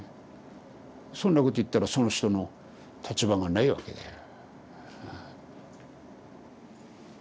そんなこと言ったらその人の立場がないわけだよ。